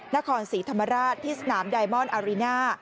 นครศรีธรรมราชที่สนามไดมอนด์อารีน่า